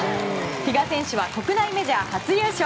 比嘉選手は国内メジャー初優勝。